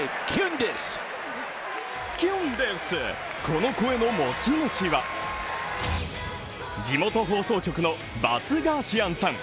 この声の持ち主は地元放送局のバスガーシアンさん。